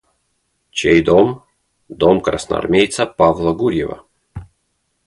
Чей дом? – Дом красноармейца Павла Гурьева.